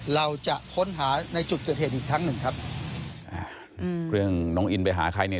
เราจะค้นหาในจุดเกิดเหตุอีกครั้งหนึ่งครับอ่าอืมเรื่องน้องอินไปหาใครเนี่ย